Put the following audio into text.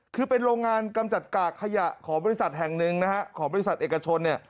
คือเป็นโรงงานกำจัดกากขยะของบริษัทแห่งหนึ่งนะฮะของบริษัทเอกชนเนี่ย